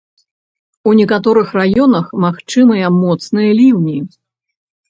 У некаторых раёнах магчымыя моцныя ліўні.